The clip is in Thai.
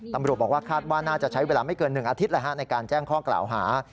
ตำรวจบอกว่าคาดว่าน่าจะใช้เวลาไม่เกิน๑อาทิตย์ในการแจ้งข้อกล่าวหา